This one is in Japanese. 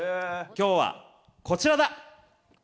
今日はこちらだ！